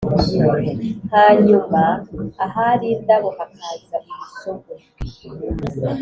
hanyuma ahari indabo hakaza imisogwe.